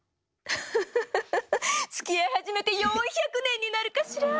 フフフフつきあい始めて４００年になるかしら。